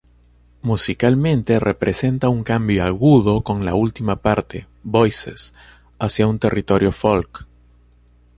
Musicalmente representa un cambio agudo con la última parte "Voices" hacia un territorio folk.